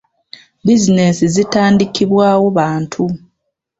Bizinensi zitandikibwawo bantu.